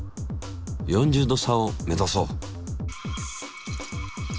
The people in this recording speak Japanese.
４０℃差を目指そう。